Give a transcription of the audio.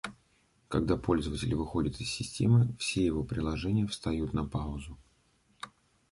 Когда пользователь выходит из системы, все его приложения встают на «паузу»